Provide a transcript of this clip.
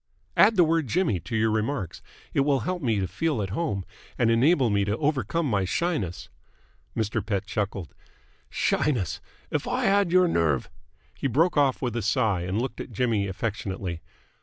"Add the word Jimmy to your remarks. It will help me to feel at home and enable me to overcome my shyness." Mr. Pett chuckled. "Shyness! If I had your nerve !" He broke off with a sigh and looked at Jimmy affectionately.